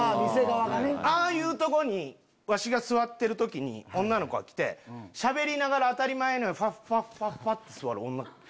ああいうとこにわしが座ってる時女の子が来てしゃべりながら当たり前のようにファッファッファッて座る女の子。